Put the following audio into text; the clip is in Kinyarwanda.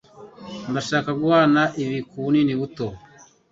Ndashaka guhana ibi kubunini buto.